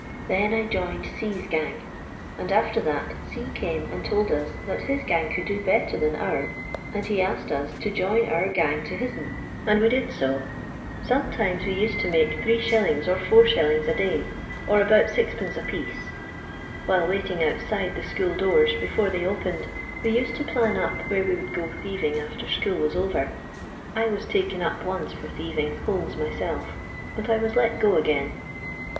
Then I Joined C *s gang; and, after that, C came and told us that his gang could do better than oum, and he asked us to join our gang to his'n, and we did to. Sometimes we used to make Zt. or 4«. a day; or about 6(2. apiece. While waiting outside the school doors, before they opened, we used to plan up where we would go thieving after school was over. I was taken up once for thieving coals myself, but I was let go again."